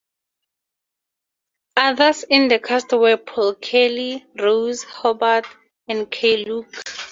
Others in the cast were Paul Kelly, Rose Hobart and Keye Luke.